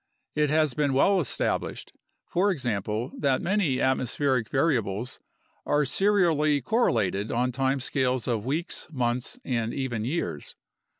It has been well established, for example, that many atmo spheric variables are serially correlated on time scales of weeks, months, and even years.